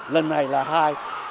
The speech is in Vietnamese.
lần này là hai